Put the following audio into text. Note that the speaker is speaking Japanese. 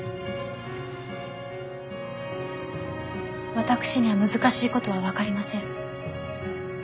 私には難しいことは分かりません。